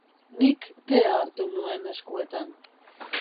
Nik tea hartu nuen eskuetan.